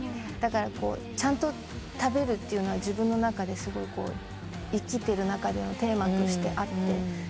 だからちゃんと食べるっていうのは自分の中で生きてる中でのテーマとしてあって。